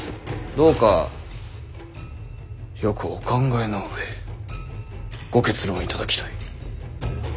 どうかよくお考えの上ご結論をいただきたい。